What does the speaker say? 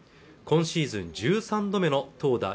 今シーズン１３度目の投打